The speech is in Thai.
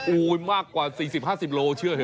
มากกว่า๔๐๕๐โลเชื่อเถ